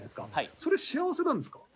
それ幸せなんですか？